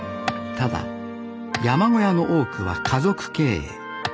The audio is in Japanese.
ただ山小屋の多くは家族経営。